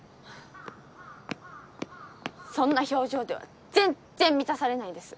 そんな表情では全然満たされないです